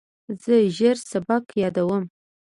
زه ژر سبق یادوم.